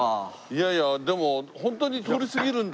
いやいやでもホントに通り過ぎるんだ